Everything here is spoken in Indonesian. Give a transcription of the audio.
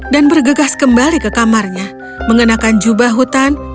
dan bergegas kembali ke kamarnya mengenakan jubah hutan